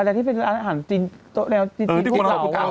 อะไรที่เป็นร้านอาหารจีนโต๊ะเลี้ยวจีนจีนเก่า